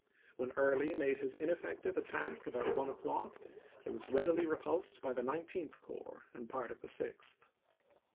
When Early made his last inef fective attack about one o'clock it was readily repulsed by the Nineteenth Corps and part of the Sixth.